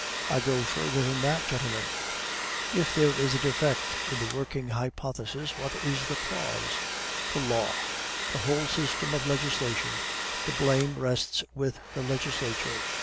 "I go further than that, gentlemen. If there is a defect in the working hypothesis, what is the cause? The law! the whole system of legislation. The blame rests with the legislature.